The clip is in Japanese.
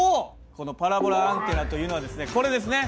このパラボラアンテナというのはですねこれですね。